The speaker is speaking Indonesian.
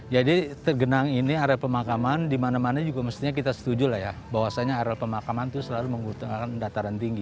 jadi tergenang ini areal pemakaman dimana mana juga mestinya kita setuju lah ya bahwasannya areal pemakaman itu selalu menggunakan dataran tinggi